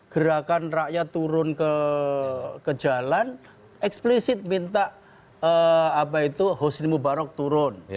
gerakan rakyat turun ke jalan eksplisit minta apa itu hosni mubarak turun